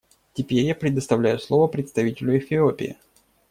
Теперь я предоставляю слово представителю Эфиопии.